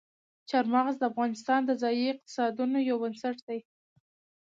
چار مغز د افغانستان د ځایي اقتصادونو یو بنسټ دی.